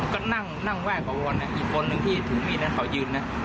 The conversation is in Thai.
ก็นั่งไหว้ขอพรนะอีกคนหนึ่งที่ถึงนี่นะเขายืนนะ